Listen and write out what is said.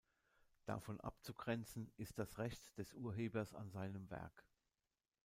Davon abzugrenzen ist das Recht des Urhebers an seinem Werk.